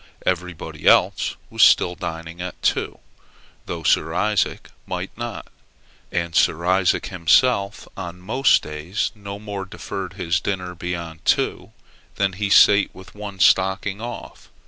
Everybody else was still dining at two, though Sir Isaac might not; and Sir Isaac himself on most days no more deferred his dinner beyond two, than he sate with one stocking off.